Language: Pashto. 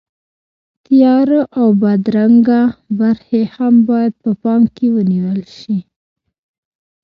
تیاره او بدرنګه برخې هم باید په پام کې ونیول شي.